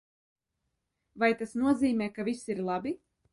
Vai tas nozīmē, ka viss ir labi?